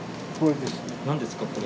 何ですか？